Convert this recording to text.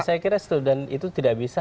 saya kira itu tidak bisa